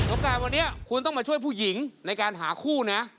การวันนี้คุณต้องมาช่วยผู้หญิงในการหาคู่นะ